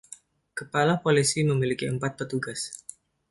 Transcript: Kepala Polisi memiliki empat petugas.